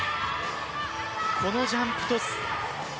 このジャンプトス。